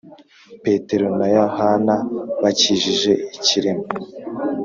Petero na yohana bakijije ikirema